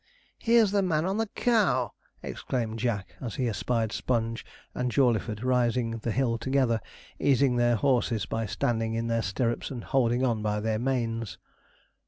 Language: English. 'Here's the man on the cow!' exclaimed Jack, as he espied Sponge and Jawleyford rising the hill together, easing their horses by standing in their stirrups and holding on by their manes.